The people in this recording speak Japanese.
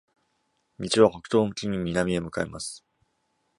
道は北東向きに南へ向かいます。